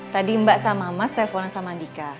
tadi mbak sama mas telpon sama andika